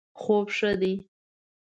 خوب ښه دی